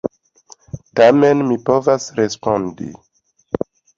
Tamen mi povas respondi!